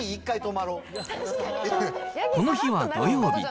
この日は土曜日。